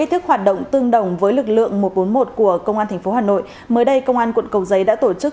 thức hoạt động tương đồng với lực lượng một trăm bốn mươi một của công an tp hà nội mới đây công an quận cầu giấy đã tổ chức